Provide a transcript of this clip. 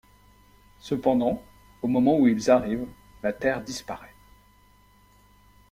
Cependant, au moment où ils arrivent, la Terre disparaît.